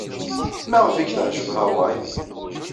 Maɣef ay k-teɛjeb Hawaii?